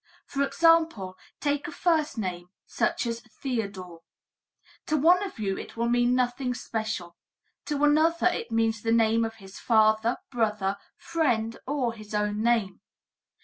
For example, take a first name, such as Theodore. To one of you it will mean nothing special, to another it means the name of his father, brother, friend, or his own name.